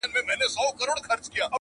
خلک د ازادۍ مجسمې په اړه خبري کوي ډېر.